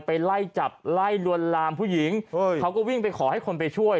ไปไล่จับไล่ลวนลามผู้หญิงเขาก็วิ่งไปขอให้คนไปช่วย